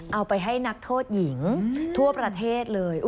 เอาไปให้นักโทษหญิงทั่วประเทศเลย